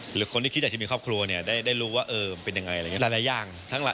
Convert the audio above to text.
หรือคนที่คิดอยากจะมีครอบครัวเนี่ยได้รู้ว่าเป็นยังไง